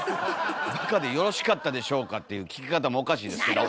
「バカでよろしかったでしょうか」っていう聞き方もおかしいですけど。